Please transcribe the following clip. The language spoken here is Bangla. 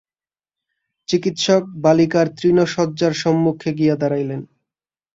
চিকিৎসক বালিকার তৃণশয্যার সম্মুখে গিয়া দাঁড়াইলেন।